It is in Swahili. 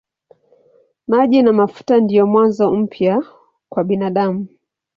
Maji na mafuta ndiyo mwanzo mpya kwa binadamu.